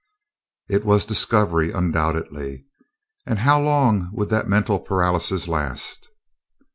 It was discovery undoubtedly and how long would that mental paralysis last?